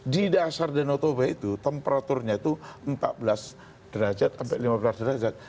di dasar danau toba itu temperaturnya itu empat belas derajat sampai lima belas derajat